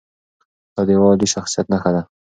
دا د یوه عالي شخصیت نښه ده.